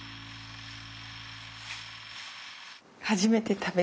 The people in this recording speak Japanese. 初めて食べる。